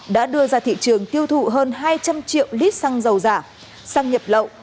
đã đưa ra thị trường tiêu thụ hơn hai trăm linh triệu lít xăng dầu giả xăng nhập lậu